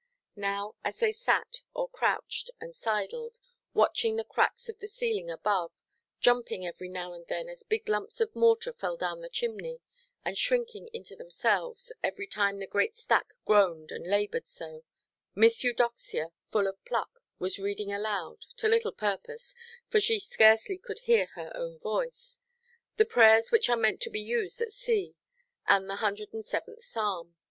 Now as they sat, or crouched and sidled, watching the cracks of the ceiling above, jumping every now and then, as big lumps of mortar fell down the chimney, and shrinking into themselves, every time the great stack groaned and laboured so, Miss Eudoxia, full of pluck, was reading aloud—to little purpose, for she scarcely could hear her own voice—the prayers which are meant to be used at sea, and the 107th Psalm.